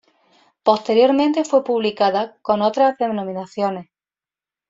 Posteriormente fue publicada con otras denominaciones.